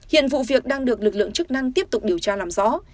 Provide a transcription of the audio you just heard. hiện vụ việc đang được lực lượng chức năng tiếp tục điều tra làm rõ